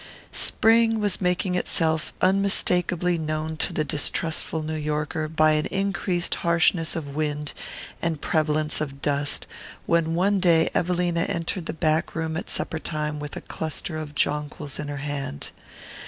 Spring was making itself unmistakably known to the distrustful New Yorker by an increased harshness of wind and prevalence of dust, when one day Evelina entered the back room at supper time with a cluster of jonquils in her hand.